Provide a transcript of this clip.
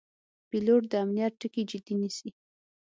پیلوټ د امنیت ټکي جدي نیسي.